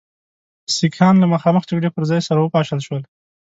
سیکهان له مخامخ جګړې پر ځای سره وپاشل شول.